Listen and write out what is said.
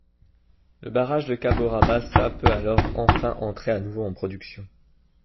Le barrage de Cabora-Bassa peut alors enfin entrer à nouveau en production.